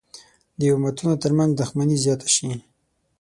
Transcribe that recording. د امتونو تر منځ دښمني زیاته شي.